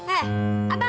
abang tuh ya